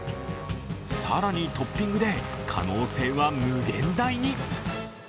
更に、トッピングで可能性は無限大に。